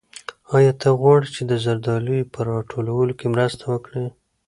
آیا ته غواړې چې د زردالیو په راټولولو کې مرسته وکړې؟